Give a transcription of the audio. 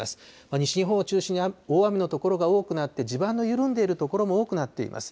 西日本を中心に大雨の所が多くなって、地盤が緩んでいる所も多くなっています。